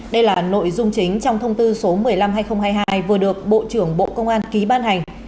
đây là nội dung chính trong thông tư số một mươi năm hai nghìn hai mươi hai vừa được bộ trưởng bộ công an ký ban hành